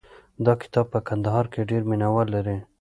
دا کتاب په کندهار کې ډېر مینه وال لري.